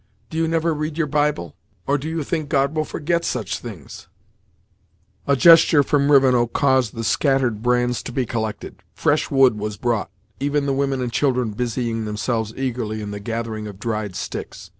Do you never read your Bibles? Or do you think God will forget such things?" A gesture from Rivenoak caused the scattered brands to be collected. Fresh wood was brought, even the women and children busying themselves eagerly, in the gathering of dried sticks.